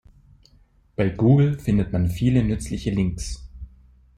Bei Google findet man viele nützliche Links.